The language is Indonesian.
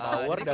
power dan tegak